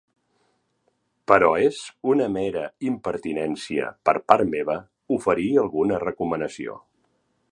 Però és una mera impertinència per part meva oferir alguna recomanació.